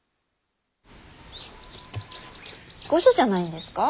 御所じゃないんですか。